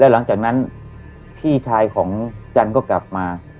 หลังจากนั้นพี่ชายของจันทร์ก็กลับมา